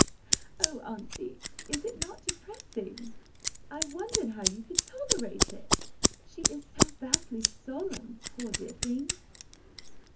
"Oh, Auntie, is it not depressing? I wondered how you could tolerate it! She is so vastly solemn, poor dear thing!"